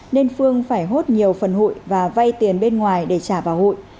nên phương phải hốt nhiều phần hụi và vay tiền bên ngoài để trả vào hụi